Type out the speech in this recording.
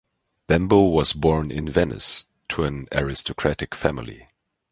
Bembo was born in Venice to an aristocratic family.